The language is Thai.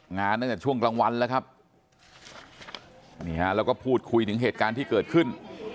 งานตั้งแต่ช่วงกลางวันแล้วครับนี่ฮะแล้วก็พูดคุยถึงเหตุการณ์ที่เกิดขึ้น